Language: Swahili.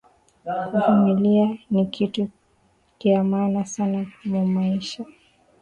Ku vumilia ni kitu kya maana sana mumaisha